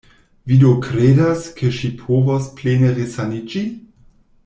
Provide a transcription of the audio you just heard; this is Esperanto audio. Vi do kredas, ke ŝi povos plene resaniĝi?